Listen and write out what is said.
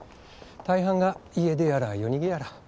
大半が家出やら夜逃げやら。